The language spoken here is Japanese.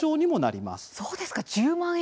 そうですか、１０万円。